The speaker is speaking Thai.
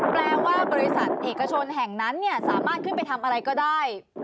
แปลว่าบริษัทเอกชนแห่งนั้นสามารถขึ้นไปทำอะไรก็ได้